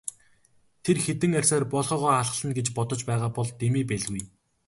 Тэр хэдэн арьсаар боольхойгоо халхална гэж бодож байгаа бол дэмий байлгүй.